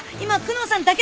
久能さん